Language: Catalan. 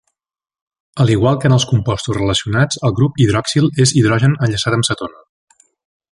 Al igual que en els compostos relacionats, el grup hidroxil es hidrogen enllaçat amb cetona.